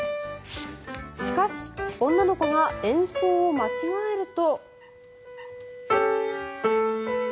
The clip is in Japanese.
しかし、女の子が演奏を間違えると。